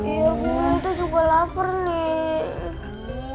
iya bu itu juga lapar nih